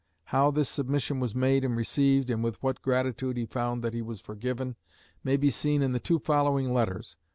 How this submission was made and received, and with what gratitude he found that he was forgiven, may be seen in the two following letters.